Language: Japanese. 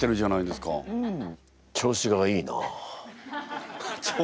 「調子がいいな」。